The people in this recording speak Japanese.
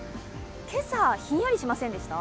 今朝、ひんやりしませんでした？